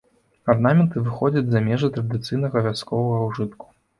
Арнаменты выходзяць за межы традыцыйнага вясковага ўжытку.